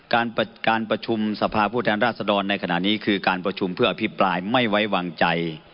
การประชุมสภาพผู้แทนราชดรในขณะนี้คือการประชุมเพื่ออภิปรายไม่ไว้วางใจ